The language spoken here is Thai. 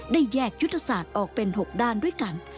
แยกยุทธศาสตร์ออกเป็น๖ด้านด้วยกัน